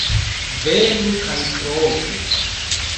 Venu kaj provu!